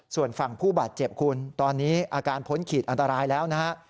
ส่วนฝั่งผู้บาดเจ็บคุณตอนนี้อาการพ้นขีดอันตรายแล้วนะฮะ